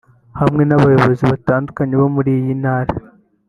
hamwe n’abayobozi batandukanye bo muri iyi ntara